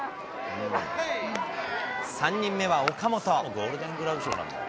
３人目は岡本。